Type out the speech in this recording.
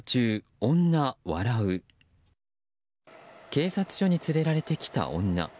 警察署に連れられてきた女。